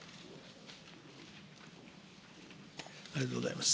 ありがとうございます。